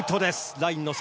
ラインの外。